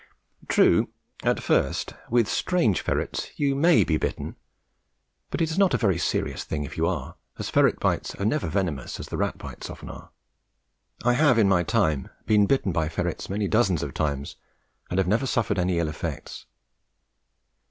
True, at first, with strange ferrets you may be bitten; but it is not a very serious thing if you are, as ferrets' bites are never venomous, as the bites of rats often are. I have in my time been bitten by ferrets many dozens of times and have never suffered any ill effects.